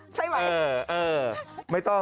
ใช่ไหม